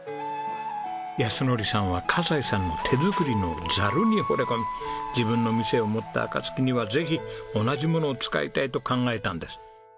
靖典さんは笠井さんの手作りのざるにほれ込み自分の店を持った暁にはぜひ同じものを使いたいと考えたんです。